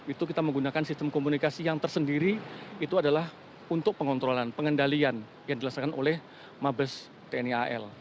itu kita menggunakan sistem komunikasi yang tersendiri itu adalah untuk pengontrolan pengendalian yang dilaksanakan oleh mabes tni al